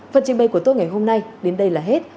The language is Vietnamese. phần trình bày của tôi ngày hôm nay đến đây là hết